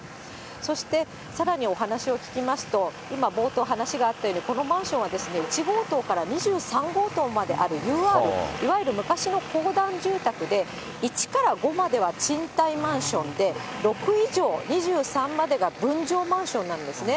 そして、さらにお話を聞きますと、今、冒頭話があったように、このマンションは１号棟から２３号棟まであるＵＲ、いわゆる昔の公団住宅で、１から５までは賃貸マンションで、６以上２３までが分譲マンションなんですね。